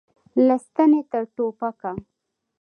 له ستنې تر ټوپکه.